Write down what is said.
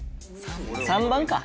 ３番か？